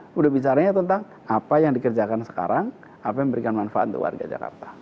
sudah bicaranya tentang apa yang dikerjakan sekarang apa yang memberikan manfaat untuk warga jakarta